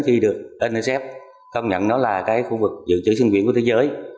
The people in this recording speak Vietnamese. khi được nsf công nhận nó là khu vực dự trữ sinh viện của thế giới